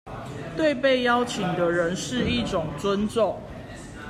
對被邀請的人是一種尊重